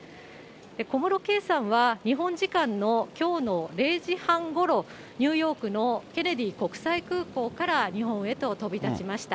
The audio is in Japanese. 小室圭さんは、日本時間のきょうの０時半ごろ、ニューヨークのケネディ国際空港から日本へと飛び立ちました。